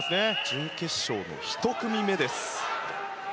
準決勝の１組目です。